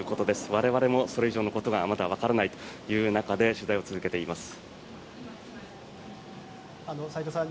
我々もそれ以上のことがまだわからないという中で取材を続けています。